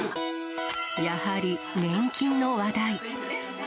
やはり年金の話題。